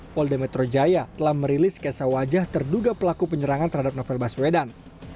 polda metro jaya telah merilis kesa wajah terduga pelaku penyerangan terhadap novel baswedan